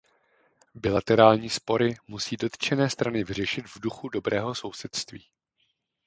Bilaterální spory musí dotčené strany vyřešit v duchu dobrého sousedství.